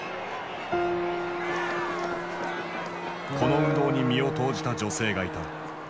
この運動に身を投じた女性がいた。